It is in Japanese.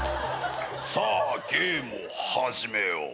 さあゲームを始めよう。